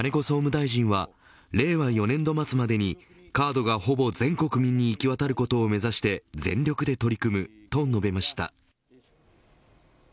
総務大臣は令和４年度末までにカードがほぼ全国民に行き渡ることを目指して全力で取り組むと述べました。